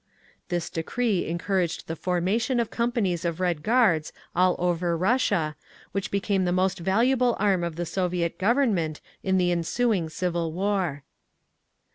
This decree encouraged the formation of companies of Red Guards all over Russia, which became the most valuable arm of the Soviet Government in the ensuing civil war.